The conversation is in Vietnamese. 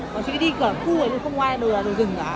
còn chị đi cả khu này luôn không ai đồ rừng cả